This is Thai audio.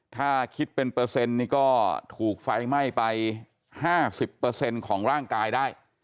ถ้าคิดเป็นเปอร์เซ็นต์ก็ถูกไฟไหม้ไป๕๐เปอร์เซ็นต์ของร่างกายได้